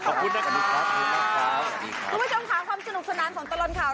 คุณผู้ชมค่ะความสนุกสนานสนตรนค่ะ